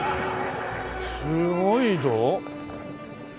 すごいぞ。